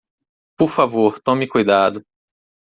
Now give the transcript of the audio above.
Por favor tome cuidado!